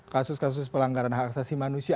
kasus kasus pelanggaran hak asasi manusia